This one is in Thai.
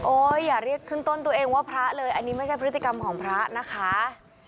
อย่าเรียกขึ้นต้นตัวเองว่าพระเลยอันนี้ไม่ใช่พฤติกรรมของพระนะคะ